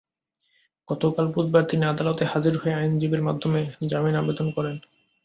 গতকাল বুধবার তিনি আদালতে হাজির হয়ে আইনজীবীর মাধ্যমে জামিন আবেদন করেন।